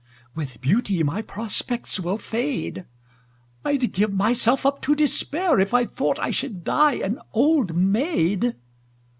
With beauty my prospects will fade I'd give myself up to despair If I thought I should die an old maid!